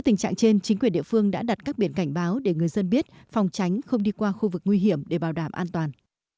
nên chính quyền địa phương đã đặt các biện cảnh báo để người dân biết phòng tránh không đi qua khu vực nguy hiểm để bảo đảm an toàn